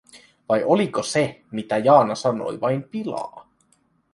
Vai oliko se mitä Jaana sanoi vain pilaa?